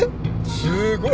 すーごい。